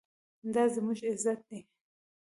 دا زموږ عزت دی